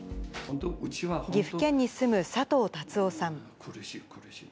岐阜県に住む佐藤龍雄さん。